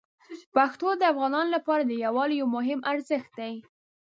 پښتو د افغانانو لپاره د یووالي یو مهم ارزښت دی.